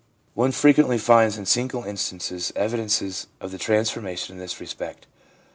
One frequently finds in single instances evidences of the transformation in this respect.